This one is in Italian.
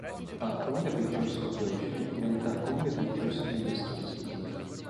La Columbia Pictures Corporation diventa Columbia Pictures Industries, Inc.